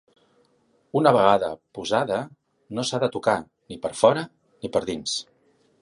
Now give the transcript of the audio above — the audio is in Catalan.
Una vegada posada, no s’ha de tocar, ni per fora ni per dins.